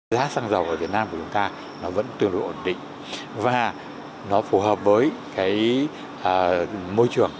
xăng dầu ở việt nam của chúng ta vẫn tương đối ổn định và nó phù hợp với môi trường